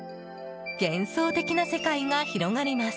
幻想的な世界が広がります。